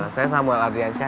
saya samuel ardiansyah